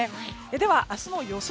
では、明日の予想